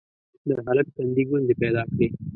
د هلک تندي ګونځې پيدا کړې: